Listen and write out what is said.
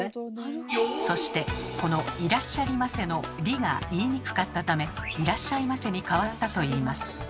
そしてこの「いらっしゃりませ」の「り」が言いにくかったため「いらっしゃいませ」に変わったといいます。